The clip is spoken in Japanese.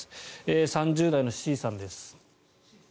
３０代のＣさんです。